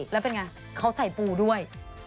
แล้วเป็นไงเขาใส่ปูด้วย